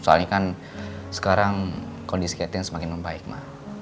soalnya kan sekarang kondisi catherine semakin membaik emma